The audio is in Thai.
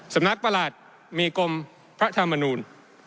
สำนักประหลัดมีกรมพระธามนูล